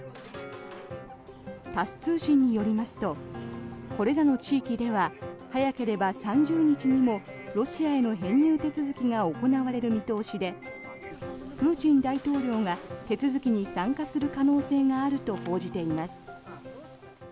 タス通信によりますとこれらの地域では早ければ３０日にもロシアへの編入手続きが行われる見通しでプーチン大統領が手続きに参加する可能性があると報じています。